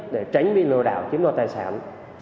để tránh bị lừa đảo chiếm đoạt tài sản